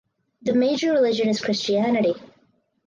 The major religion is Christianity.